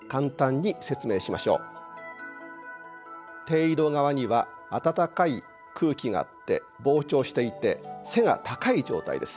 低緯度側には暖かい空気があって膨張していて背が高い状態です。